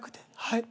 はい。